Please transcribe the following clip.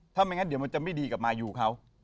ถ้าไม่งั้นเดี๋ยวมันจะไม่ดีกับมายูเขา